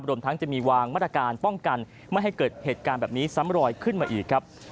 รวมทั้งจะมีวางมาตรการป้องกันไม่ให้เกิดเหตุการณ์แบบนี้ซ้ำรอยขึ้นมาอีกครับ